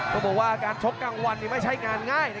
คนบอกว่าการชกกังวันมันไม่ใช่งานง่าย